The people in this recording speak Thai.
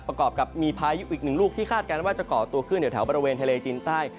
ประกอบกับมีพายุอีกหนึ่งลูกที่คาดการณ์ว่าจะเกาะตัวขึ้นแถวบริเวณทะเลจีนใต้